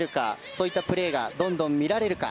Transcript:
そういったプレーがどんどん見せられるか。